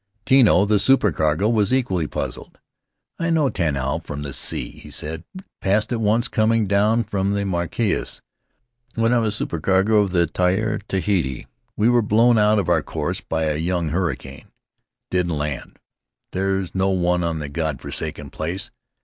Tino, the supercargo, was equally puzzled. "I know Tanao from the sea," he said. "Passed it once coming down from the Marquesas when I was supercargo of the Tiare Tahiti. We were blown out of our course by a young hurricane. Didn't land. There's no one on the God forsaken place.